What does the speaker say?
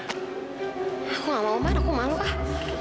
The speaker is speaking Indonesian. aku gak mau man aku malu kah